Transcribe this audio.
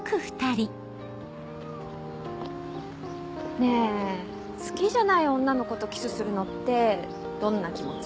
ねぇ好きじゃない女の子とキスするのってどんな気持ち？